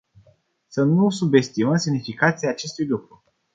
Să nu subestimăm semnificația acestui lucru.